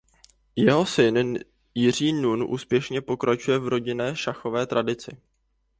Jeho syn Jiří Nun úspěšně pokračuje v rodinné šachové tradici.